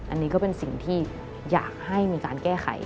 อันนี้ก็เป็นสิ่งที่อยากให้มีการแก้ไข